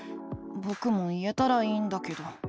ぼくも言えたらいいんだけど。